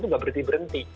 tapi nggak berhenti berhenti